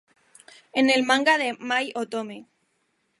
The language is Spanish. En el Manga de Mai-Otome.